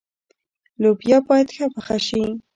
لوبیا باید ښه پخه شي.